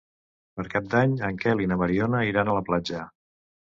Per Cap d'Any en Quel i na Mariona iran a la platja.